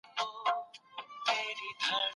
چیرته کولای سو تړون په سمه توګه مدیریت کړو؟